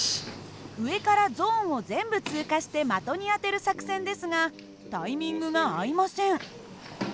上からゾーンを全部通過して的に当てる作戦ですがタイミングが合いません。